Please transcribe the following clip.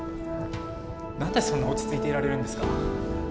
何でそんな落ち着いていられるんですか。